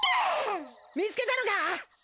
見つけたのか？